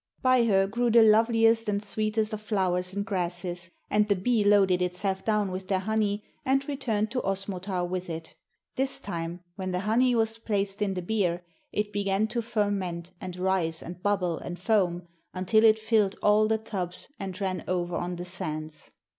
By her grew the loveliest and sweetest of flowers and grasses, and the bee loaded itself down with their honey and returned to Osmotar with it. This time, when the honey was placed in the beer it began to ferment and rise and bubble and foam until it filled all the tubs and ran over on the sands.